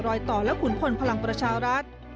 ต่อและขุนพลพลังประชารัฐ